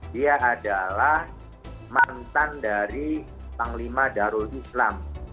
dia adalah mantan dari panglima darul islam